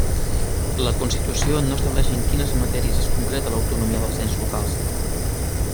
La Constitució no estableix en quines matèries es concreta l'autonomia dels ens locals.